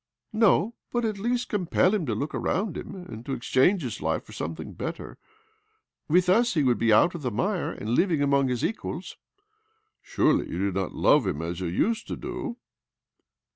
' No, but at least compel him to look around him, and to exchange his life for something better. With us he would be out of the mire, and living among his equals." ' Surely you do not love him as you used to do?"